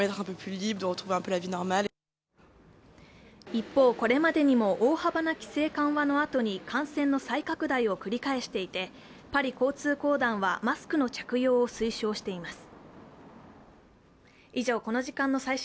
一方、これまでにも大幅な規制緩和のあとに感染の再拡大を繰り返していて、パリ交通公団は、マスクの着用を推奨しています。